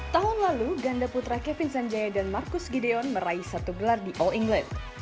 tahun lalu ganda putra kevin sanjaya dan marcus gideon meraih satu gelar di all england